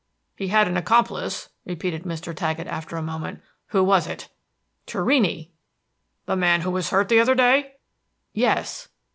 "He had an accomplice?" repeated Mr. Taggett, after a moment. "Who was it?" "Torrini!" "The man who was hurt the other day?" "Yes."